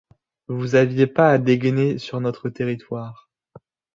vous aviez pas à dégainer sur notre territoire.